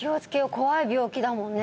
怖い病気だもんね